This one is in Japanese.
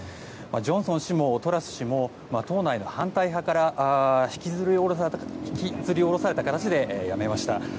ジョンソン氏もトラス氏も党内の反対派から引きずり降ろされた形で辞めました。